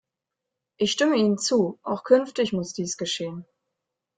Ich stimme Ihnen zu, auch künftig muss dies geschehen.